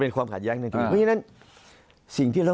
มุมนักวิจักรการมุมประชาชนทั่วไป